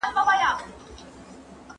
دا مځکه تر بلې هرې مځکې ښه حاصل ورکوي.